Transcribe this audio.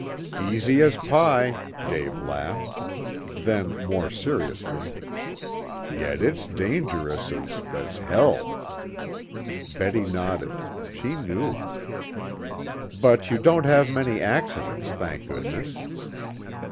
"Easy as pie," Dave laughed. Then more seriously, "Yet it's dangerous as as hell." Betty nodded. She knew. "But you don't have many accidents, thank goodness."